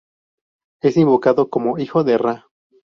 Es invocado como "Hijo de Ra".